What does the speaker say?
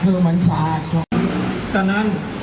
พระยะโภงพระยะโยงพลัง